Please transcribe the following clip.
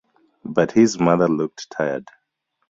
But his mother looked tired.